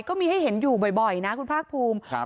ก็มีให้เห็นอยู่บ่อยนะคุณภาคภูมิ